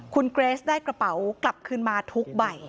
คุณเกรสได้กระเป๋ากลับคืนมาทุกใบ